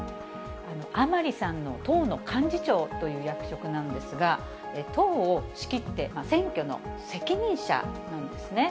甘利さんの党の幹事長という役職なんですが、党を仕切って、選挙の責任者なんですね。